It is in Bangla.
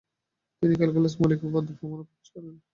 তিনি ক্যালকুলাসের মৌলিক উপপাদ্য প্রমাণ এবং প্রকাশ করেন।